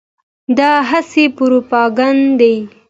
دا هسې پروپاګند دی.